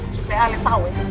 supaya kalian tahu ya